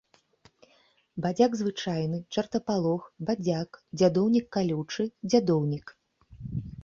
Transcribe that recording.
Бадзяк звычайны, чартапалох, бадзяк, дзядоўнік калючы, дзядоўнік.